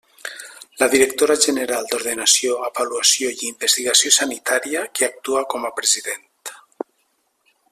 La directora general d'Ordenació, Avaluació i Investigació Sanitària, que actua com a president.